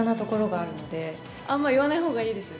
あんま言わないほうがいいですよ